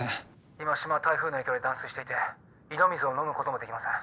☎今島は台風の影響で断水していて井戸水を飲むこともできません。